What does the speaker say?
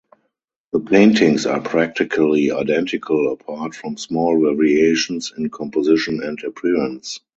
The paintings are practically identical apart from small variations in composition and appearance.